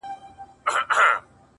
ژوند مي د هوا په لاس کي وليدی’